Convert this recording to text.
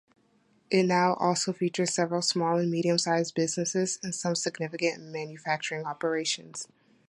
It now also features several small and medium-sized businesses and some significant manufacturing operations.